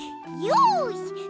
よし！